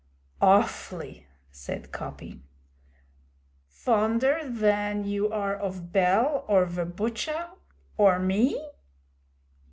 'Awfully!' said Coppy. 'Fonder van you are of Bell or ve Butcha or me?'